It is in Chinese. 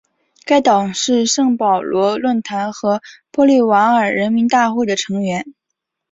该党是圣保罗论坛和玻利瓦尔人民大会的成员。